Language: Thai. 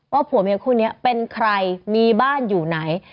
ผัวเมียคู่นี้เป็นใครมีบ้านอยู่ไหน